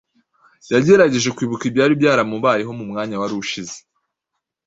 Yagerageje kwibuka ibyari byamubayeho mu mwanya wari ushize.